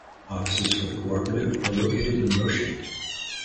Offices for the cooperative are located in Moshi.